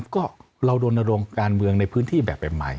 ก็เราโดนโรงการเมืองในพื้นที่แบบใหม่